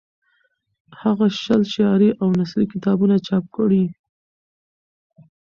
هغه شل شعري او نثري کتابونه چاپ کړي.